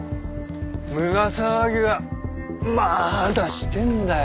胸騒ぎがまだしてるんだよ。